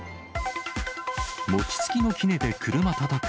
餅つきのきねで車たたく。